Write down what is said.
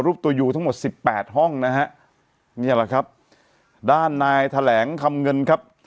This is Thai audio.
ตัวอยู่ทั้งหมดสิบแปดห้องนะฮะนี่แหละครับด้านนายแถลงคำเงินครับ